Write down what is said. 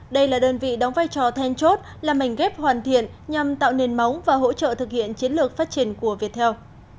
đây là đơn vị đóng vai trò then chốt là mảnh ghép hoàn thiện nhằm tạo nền móng và hỗ trợ thực hiện chiến lược phát triển của viettel